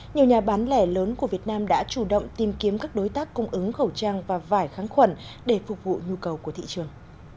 nhiều nhà bán lẻ lớn của việt nam đã chủ động tìm kiếm các đối tác cung ứng khẩu trang và vải kháng khuẩn để phục vụ nhu cầu của thị trường